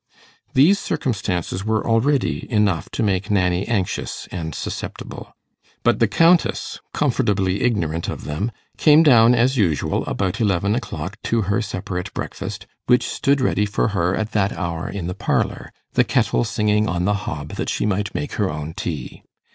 These circumstances were already enough to make Nanny anxious and susceptible. But the Countess, comfortably ignorant of them, came down as usual about eleven o'clock to her separate breakfast, which stood ready for her at that hour in the parlour; the kettle singing on the hob that she might make her own tea.